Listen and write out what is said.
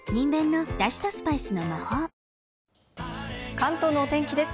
関東のお天気です。